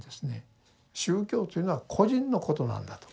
宗教というのは個人のことなんだと。